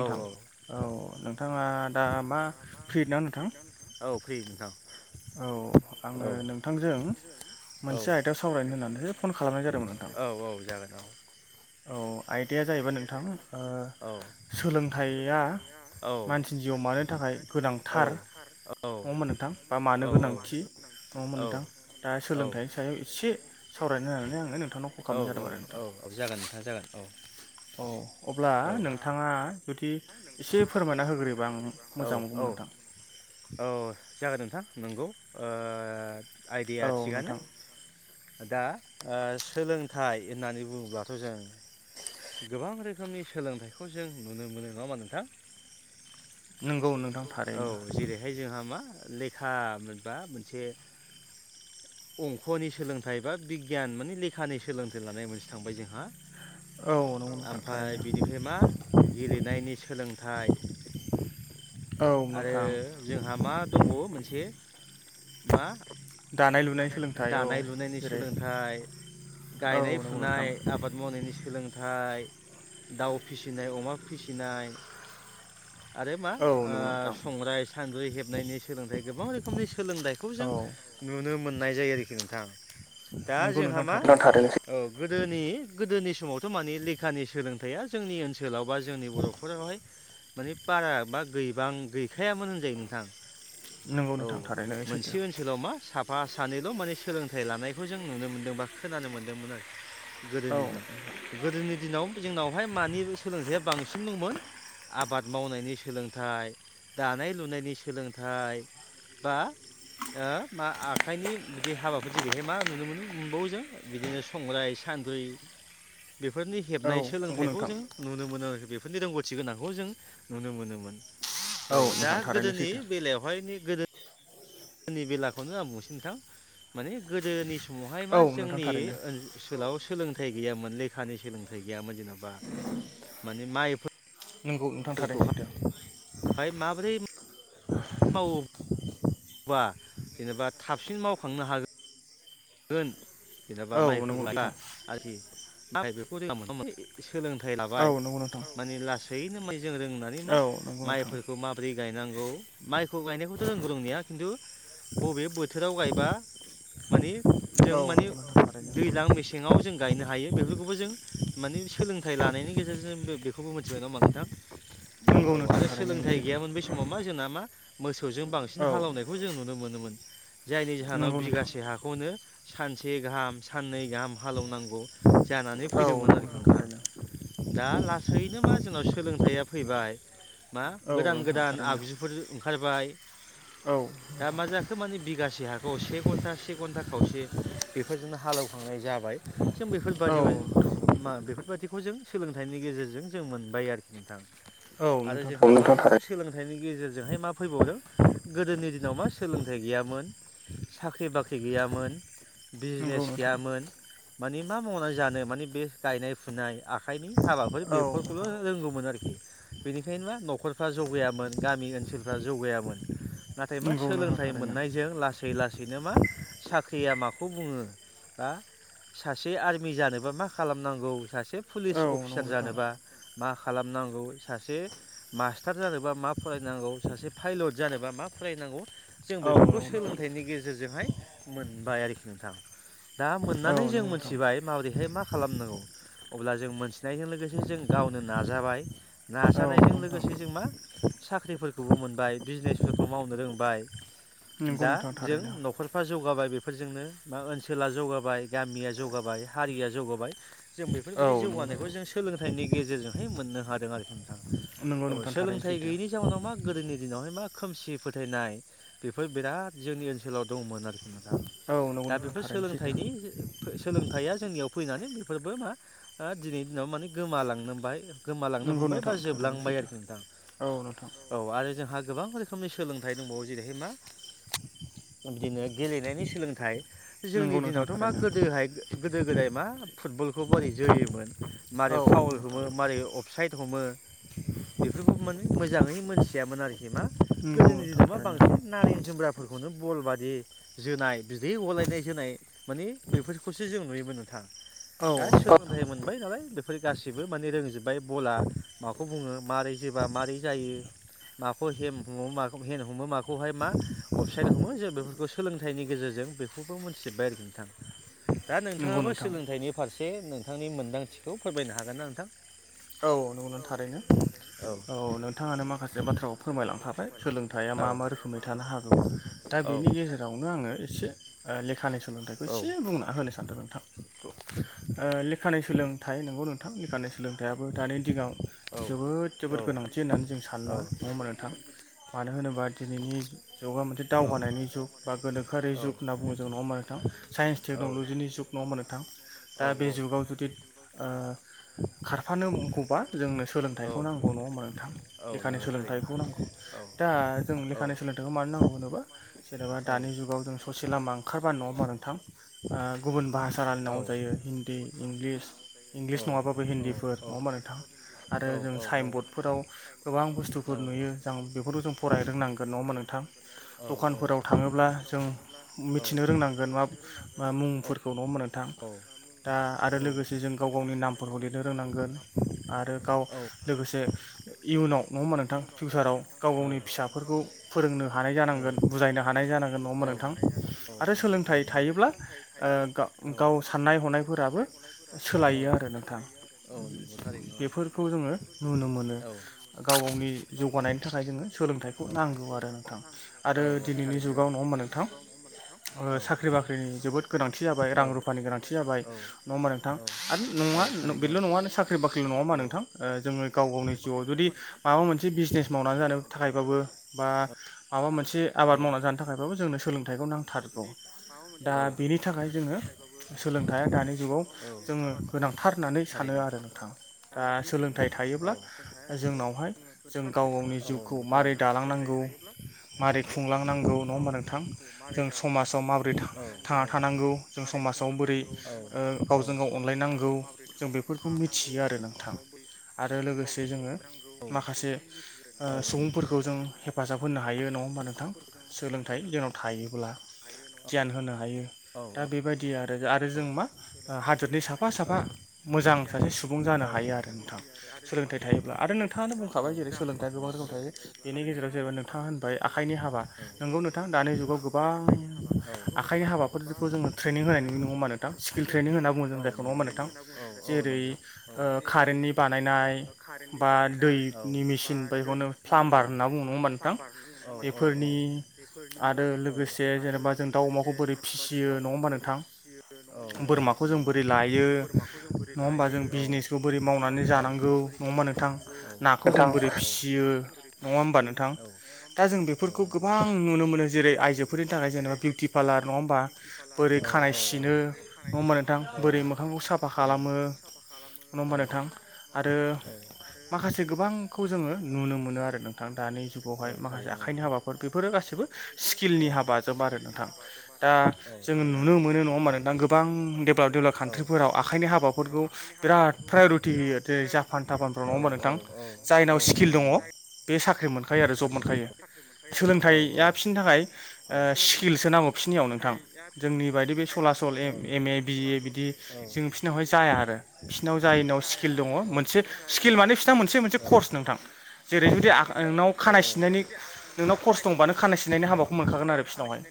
औ औ। औ नोंथाङा दा मा फ्रि ना नोंथां? औ फ्रि नोंथां औ औ आङो नोंथांजों मोनसे औ आयदायाव सावरायनो होननानैसो फन खालामनाय जादोंमोन नोंथां। होननानैसो औ औ जागोन औ आइदाया जाहैबाय नोंथां ओ सोलोंथाइया सोलोंथाया औ मानसिनि जिउआव मानि थाखाय औ गोनांथार औ। होमबा नोंथां बा मानो होमबा नोंथां मा नङा होमबा गोनांथि नङामोन नोंथां दा नोंथां सोलोंथाइनि सायाव एसे दा सावरायनो होननानै आङो नोंथांनाव कल खालामनाय जादोंमोन आरो नोंथां। औ जागोन नोंथां जागोन औ। औ अब्ला नोंथाङा जुदि एसे फोरमायना होग्रोयोबा आं मोजां मोनगौमोन नोंथां। औ जागोन नोंथां। नंगौ ओ औ आइदाया थिगानो नोंथां दा ओ सोलोंथाइ होननानै बुङोब्लाथ' जों गोबां रोखोमनि सोलोंथाइखौ जों नुनो मोनो नङा होनबा नोंथां नंगौ नोंथां थारैनो औ जेरैहाय जोंहा मा लेखा मोनबा मोनसे अंख'नि सोलोंथाइ बा बिगियान माने लेखानि सोलोंथाइ लानाय मोनसे थांबाय जोंहा औ नंगौ नोंथां ओमफ्राय थारैनो बिनिफ्राय मा गेले सोलोंथाइ औ आरो नोंथां जोंहा मा दंबावो मोनसे मा दानाय लुनाय सोलोंथाइ औ दानाय लुनायनि जेरै सोलोंथाइ औ गायनाय नंगौ फुनाय नोंथां आबाद मावनायनि सोलों थाय दाउ फिसिनाय अमा फिसिनाय आरो मा औ नंगौ ओ नोंथां संग्राइ सान्द्रै हेबनायनि सोलोंथाइ गोबां रोखोमनि सोलोंथाइखौ जों औ नुनो मोन मोननाय जायो आरोखि नोंथां दा नंगौ जोंहा नोंथां मां थारैनो सैथो थाथोंसोसै औ गोदोनि गोदोनि समावथ' माने लेखानि सोलोंथाइया जोंनि ओनसोलाव बा जोंनि बर'फोरावहाय माने बारा बा गैबां गैखायामोन होनजायो नोंथां नंगौ औ नोंथां थारैनो सैथो मोनसे ओनसोलाव मा साफा सा सानैल' माने सोलोंथाइ लानायखौ जों नुनो मोन्दों बा खोनानो मोन्दोंमोन आरोखि औ गोदोनि दिनाव गोदोनि दिनाव जोंनावहाय मानि सोलोंथाइया मोन आबाद मावनायनि सोलोंथाइ दानाय लुनायनि सोलोंथाइ। बा ओ मा आखाइनि बिदि हाबाफोर जेरैहाय मा नुनो मोनो मोनबावो जों बिदिनो संग्राय सानद्रि बेफोरनि औ हेबनाय नंगौ सोलोंथाइखौ नोंथां जों नुनो मोनो आरोखि बेफोरनि रोंगौथि गोनांखौ जों नुनो मोनोमोन। औ दा नोंथां थारैनो गोदोनि सैथो बेलायावहाय गोदोनि गोदोनि बेलाखौनो आं बुंनोसै नोंथां माने गोदोनि सम समावहाय औ मा नोंथां जोंनि थारैनो ओनसोलाव सोलोंथाइ गैयामोन लेखानि सोलोंथाइ गैयामोन जेन'बा माने माइफोर नोंगौ नोंथां थारैनो। ओमफाय माबोरै मावो बा जेनेबा थाबसिन मावखांनो हागो गोन जेनेबा औ माइफोर नंगौ लायबा नोंथां आरोखि माइ बेखौ जों मोन मोनो सोलोंथाइ औ लाबाय नंगौ नोंथां माने लासैनो मै जों रोंनानै मा औ नंगौ नोंथां माइफोरखौ माबोरै गायनांगौ माइखौ गायनायखौथ' रोंगौ‌ रोंनाया खिन्थु बबे बोथोराव गायबा माने जों औ माने नंगौ नोंथां थारैनो दैज्लां मेसेङाव जों गायनो हायो बेफोरखौबो जों माने सोलोंथाइ लानायनि गेजेरजों जों बेखौबो मिथिबाय नोंआ होमबा नोंथां नंगौ औ नोंथां आरो थारैनो सोलोंथाइ सैथो गैयामोन बै समाव मा जोंना मा मोसौजों बांसिन औ हालेनायखौ जों नुनो मोनोमोन। जायनि जाहोनाव नंगौ नोंथां बिगासे हाखौनो सानसे गाहाम साननै गाहाम हालेवनांगौ जानानै औ फैदोंमोन नंगौ आरोखि थारैनो नोंथां। दा लासैनो मा जोंनाव सोलोंथाइया फैबाय। मा औ गोदान नोंथां गोदान थारैनो आगजुफोर ओंखारबाय। औ दा मा जाखो माने बिगासे हाखौ से घन्टा से घन्टा खावसे बेफोरजोंनो हालेवखांनाय जाबाय जों बेफोरबादिबो औ मा बेफोरबाददिखौ जों जों सोलोंथाइनि गेजेरजों जों मोनबाय आरोखि नोंथां आरो जोंहा नोंगौ नोंथां थारैनो। सोलोंथाइनि गेजेरजोंहाय मा फैबावदों गोदोनि दिनाव मा सोलोंथाइ गैयामोन। साख्रि बाख्रि गैयामोन नंगौ बिजनेस नोंथां गैयामोन। माने मा मावनानै जानो माने बे गायनाय फुनाय आखाइनि हाबाफोर औ बेफोरखौल' नोंथां रोंगौमोन आरोखि बेनिखायनो मा न'खरफ्रा जौगायामोन गामि ओनसोलफ्रा जौगायामोन। नाथाय मा नंगौ नोंथां सोलोंथाइ थारैनो मोननायजों लासै लासैनो मा साख्रिया माखौ बुङो बा सासे आर्मि जानोबा मा खालामनांगौ सासे पुलिस औ नंगौ अफिसार नोंथां जानोबा मा खालाम नंगौ सासे मास्टार जानोबा मा फरायनांगौ सासे पाइलट जानोबा मा फरायनांगौ जों औ बेफोरखौ नंगौ नोंथां सोलोंथाइनि गेजेरजोंहाय मोनबाय आरोखि नोंथां। दा मोननानै औ नंगौ जों नोंथां मोनथिबाय माबोरैहाय मा खालामनांगौ। अब्ला जों मोन्थिनायजों लोगोसे जों गावनो नाजाबाय औ नाजानायजों नंगौ नोंथां लोगोसे जों मा साख्रिफोरखौबो मोनबाय बिजनेसफोरखौ मावनो रोंबाय। नंगौ दा नोंथां जों थारैनो न'खरफ्रा जौगाबाय बेफोरजोंनो मा ओनसोला जौगाबाय गामिया जौगाबाय हारिया जौगाबाय। जों बेफोरबायदि औ नंगौ जौगानायखौ नोंथां जों सोलोंथाइनि गेजेरजोंहाय मोननो हादों आरोखि नोंथां। नंगौ औ नोंथां थारैनो सोलोंथाइ सैथो गैयिनि जाउनाव मा गोदोनि दिनावहाय मा खोमसि फोथायनाय बेफोर बिराद जोंनि ओनसोलाव दंमोन आरोखि। औ नंगौ दा नोंथां बेफोर थारैनो सैथो सोलोंनि सोलोंथाइया जोंनियाव फैनानै बेफोरबो मा दिनैनि दिनाव माने गोमालांनोबाय गोमालांनो नंगौ हमबाय बा नोंथां थारैनो जोबलांबाय सैथो आरोखि नोंथां औ नोंथां औ आरो जोंहा गोबां रोखोमनि सोलोंथाइ दंबावो जेरैहाय मा बिदिनो गेलेनायनि सोलोंथाइ जोंनि नंगौ नोंथां दिनावथ' मा थारैनो गोदोहाय गोदो गोदाय मा फुटबलखौ बोरै जोयोमोन मारै औ फाउल नंगौ हमो नोंथां मारै साइद हमो बेफोरखौ माने मोजाङै मोनथियामोन आरोखि मा नंगौ गोदोनि नोंथां दिनाव मा थारैनो बांसिन नारें जोमग्राफोरखौनो बल बादि जोनाय बिदै गलायनाय जोनाय माने बेैफोरखौसो जों नुयोमोन नोंथां औ दा नंगौ नोंथां सोलोंथाइ मोनबाय नालाय बेफोर गाससिबो माने रोंजोबबाय बला माखौ बुङो माबोरै जोबा माबारै जायो माखौ ह हमो मा हेन्द हमो माखौहाय मा अफसाइद हमो जों बेफोरखौ सोलोंथाइनि गेजेरजों बेखौबो मोनथिजोब्बाय आरोखि नोंथां दा नंगौ नोंथाङाबो नोंथां सोलोंथाइनि फारसे नोंथांनि मोन्दांथिखौ फोरमायनो हागोन ना नोंथां औ नोंनानै थारैनो औ नोंथाङानो माखासे बाथ्राखौ फोरमायलांखाबाय सोलोंथाइया मा मा रोखोमै थानो हागौ दा बेनि बे गेजेरावनो आङो एसे लेखानि सोलोंथाइखौ एसे बुंना होनो सानदोंमोन लेखानि सोलोंथाइ नंगौ नोंथां लेखानि सोलोंथाइयाबो दानि दिगाव जोबोद जोबोद गोनांथि सोलोंथाइनि होननानै जों सानलाङो नोमा नोंथां जों मानो होनोबा दिनैनि जुगा मोनसे दावगानाय जुग ब गोनोखो जुग होनना बुङो नङाहोमबा नोंथां साइन्स जों नङा होमबा टेक्न'ल'जिनि जुग नङा मोनबा नोंथां दा होमबा बे नोंथां जुगाव जुदि खारफानो नांगौबा जोंनो सोलोंथाइखौ नांगौ नङा होमा नोंथां लेखानि होमबा सोलोंथाइखौ नांगौ दा जों औ लेखानि सोलोंथाइखौ मानो जेनेबा नांगौ होनदों औ दानि जुाव जों ससे लामा ओंखारबा नङा नोंथां गुबुन ब राइलाइ नोंथां औ नांगौजायो हिन्दी इंलिस औ इंलिस नङाबाबो हिन्दीफोर औ औ नङाबा नोंथां आरो औ जों औ साइन बरर्डफोराव गोबां औ बुस्थुफोर नुयो जों बेफोरखौ जों फरायनो रोंनांगोन नङा होनबा मा नोंथां नोंथां औ दखानफोराव थाङोब्ला जों मिथिनो रोंनांगोन मा औ मुंफोरखौ न' नोंथां दा आरो औ लोगोसे जों गाव गावनि नामफोरखौ लिरनो रोंनांगोन आरो गाव औ लोगोसे इयुनाव नङ होमबा नोंथां फिउचाराव गाव गावनि फिसाफोरखौ फोरोंनो हानाय जानांगोन बुजायनो हानाय जानांगोन नङा नोंथां आरो सोलोंथाइ नोंथां थायोब्ला ओ गाव साननाय हनायफोराबो सोलायो आरो नोंथां नोंथां बेखौ नुनो बेफोरखौ जोङो नुनो मोनो गाव गावनि जौगानायनि थाखाय जोंङो सोलोंथाइखौ नांगौ आरो नोंथां औ आरो औ दिनैनि थार जुगाव नङा होमबा दिनैनि नोंथां जुगाव नङा ओ हबा साख्रि नोंथां बाख्रिनि औ जोबोद साख्रि गोनांथि जाबाय बाख्रिनि रुफानि गोनांथि जाबाय नङा होमबा नोंथां आरो नङा बेल' नङा साख्रि बाख्रि नङा मा नोंथां जोङो गाव गावनि जिउआव जुदि माबा मोनसे बिजनेस मावनानै जानो थाखायबाबो बा माबा मोनसे आबाद मावनानै जानो थाखायबाबो जोंनो सोलों सोलोंथाइखौ नांथारगौ दा बेनि थाखाय जोङो सोलोंथाइया दानि जुगाव जोंङो आङो गोनांथार होननानै सानो आरो नोंथां दा सोलोंथाइ थायोब्ला जोंनावहाय जों गाव गावनि जिउखौ माबारै दालांनांगौ। थायोब्ला मारै जोंनाव खुंलांनांगौ नङा गाव होमबा गावनि नोंथां जिउखौ मारै जों समाजाव माबोरै थांना थानांगौ जों समाजाव बोरै ओ गावजों गाव अनलायनांगौ। जों बेफोरखौ मिथियो आरो। नोंथां आरो लोगोसे जोङो औ‌ माखासे ओ सुबुंफोरखौ जों औ‌ हेफाजाब होनो हायो नङा होमबा नोंथां सोलोंथाइ जोंनाव थायो। गियान होनो हायो दा बेबायदि आरो आरो जों मा हादोरनि साफा साफा मोजां सासे सुबुं सुबुं जानो हायो आरो दा नोंथाङा सोलोंथाइ थायोब्ला आरो नोंथाङानो बुंखाबाय जेरै सोलोंथाइया गोबां रोखोम थायो बेनिखायनो नोंगौ नोंथां दानि औ न'खरखौ जोङो ट्रेनिं होनाय नुयो नङा होनबा नोंथां स्किल ट्रेनिं होनना बुङो जों जायखौ नङा नोंथां जेरै नोंथां ओ कारेन्टनि बानायनाय बा दैनि मेसिन बा बेखौनो प्लाबार होनना बुङो नङा होमबा नोंथां बेफोरनि नोंथां आरो लोगोसे जेनेबा जों दाउ अमाखौ बोरै फिसियो नङा होमबा नोंथां? बोरमाखौ जों बोरै लायो नङा होमबा जों बिजनेसखौ बोरै मावनानै जानांगौ नङाबा नोंथां नाखौ जों बोरै फिसियो नङा होमबा नोंथां? दा जों बेफोरखौ गोबां नुनो मोनो जेरै आइजोफोरनि थाखाय जेनेबा बिउटि पार्लार नङा होनबा बा बोरै खानाय होमबा सिनो नङा होमबा नोंथां बोरै मोखांखौ साफा खालामो। नङा होमबा नोंथां? आरो माखासे गोबांखौ जोङो नुनो मोनो आरो नोंथां। दानि औ जुगावहाय माखासे थारैनो औ आखाइनि हाबाफोर बेफोरो गासिबो औ स्किलनि हाबाजों आरो नोंथां दा दा औ जोङो थारैनो औ नुनो मोनो नङा होनबा गोबां डेभेलप डेभेलप कान्ट्रिफोराव आखाइनि हाबाफोरखौ बिराद प्रायरिटि होयो जेरै जापान तापानफ्राव नङा होमबा नोंथां? जायनाव नङा स्किल होमबा दङ बे साख्रि मोन खायो आरो जब मोनखायो सोलोंथाइया बिसोरनि थाखाय ओ स्किलसो नांगौ बिसनियाव नोंथां। जोंनि बायदि बे सला सल एम ए बिए बिदि जों फिसिनावहाय जाया आरो। बिसिनाव जायनाव स्किल दङ मोनसे स्किल माने बिसोरना मोनसे मोनसे कर्स नोंथां। जेरै जुदि नोंनाव खानाय सिननायनि नोंनाव खरस दंबानो खानाय सिननायनि हाबाखौ मोनखागोन आरो बिसोरनावहाय।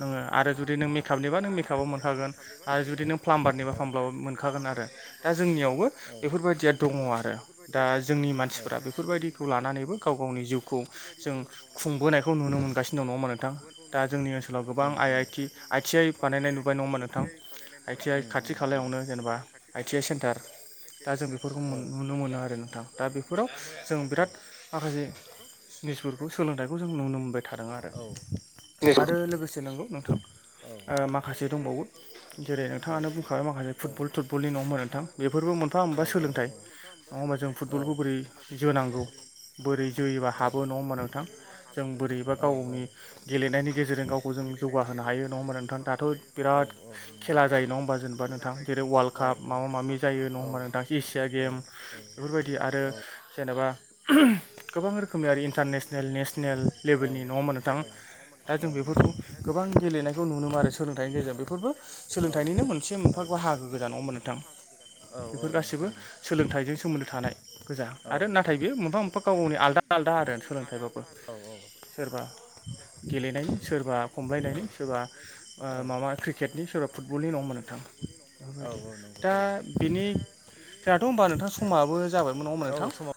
नोङो आरो जुदि नों मेकआपनिबा नों मेकआपाव मोनखागोन आरो जुदि नों प्लाम्बारनिबा फ्लाम्बार लाव मोनखागोन आरो दा जोंनियावबो बेफोरबायदिया दङ आरो दा जोंनि मानसि फोरा बेफोरबायदिखौ लानानैबो गाव गावनि जिउखौ जों खुंबोनायखौ नुनो मोनगासिनो दं नङा होनबा नोंथां? दा जोंनि ओनसोलाव गोबां आइ आइ नोंथां आइ टि आइ बानायनाय नुबाय नङा होनबा नोंथां आइ टि आइ खाथि खालायावनो नोंथां जेनेबा आइ टि आइ सेन्टार दा जों बेफोरखौ नुनो मोनो आरो नोंथां दा बे फोराव जों बिराद माखासे निसफोरखौ सोलोंथाइखौ जों नुनो मोनबाय। थादों आरो। आरो लोगोसे नंगौ नोंथां आरो ओ माखासे दंबावो जेरै नोंथाङानो बुं खाबाय माखासे फुट बल टुट नोंथाङानो बलनि नङा होनबा नोंथां बेफोरबो मोनफा मोनबा होमबा सोलोंथाइ नङा होमबा जों फुटबलखौ बोरै जोनांगौ बोरै जोयोबा हाबो नङा होनबा नोंथां? जों बोरैबा गावनि नोंथां गेलेनायनि गेजेरजों गावखौ जों जौगाहोनो हायो नङा होमबा नोंथां? दाथ' बिराद खेला जायो नङा होमबा जेनेबा नोंथां जेरै वाल्ड काप माबा माबि जायो नङा होमबा नोंथां एसिया गेम बेफोरबायदि आरो गोबां जेनेबा जेनेबा गोबां रोखोम खोमआरि इन्टारनेसनेल नेसनेल लेभेलनि नङा होमबा नोंथां दा जों बेफोरखौ गोबां गेलेनाय खौ नुनो मोनो आरो सोलोंथाइनि गेजेराव बेफोरबो सोलोंथाइनिनो मोनसे बाहागो गोजा नङा होमब नोंथां? बेफोर नोंथां गासिबो सोलोंथाइजों सोमोन्दो थानाय। गोजा आरो नाथाय बेयो मोनफा आरो मोनफा गाव गावनि आलदा आलदा आरो सोलोंथाइबाबो सोरबा गेलेनायनि सोरबा खमलायनायनि सोरबा सोरबा ओ माबा क्रिकेटनि सोरबा फुटबलनि होमबा नोंथां बेफोरबायदि जोंहाथ' दा बेनि जोंहाथ' नोंथां समाबो जाबाय। औ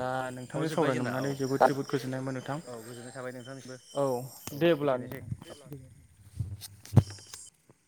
दा नोंथांजों जोब्बाय सावरायनो जोंना मोननानै जोबोद नोंथांजों जोबोद गोजोननाय मोनबाय नोंथां गोजोननाय मोनबाय थाबाय नोंथांनिसिमबो औ औ दे। [unintelligible] [unintelligible]